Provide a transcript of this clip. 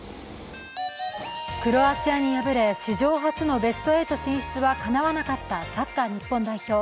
クロアチアに敗れ、史上初のベスト８進出はかなわなかった日本代表。